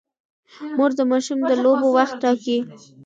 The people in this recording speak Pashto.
مور د ماشوم د لوبو وخت ټاکي.